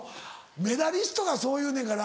メダリストがそう言うねんから。